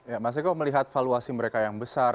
ya mas eko melihat valuasi mereka yang besar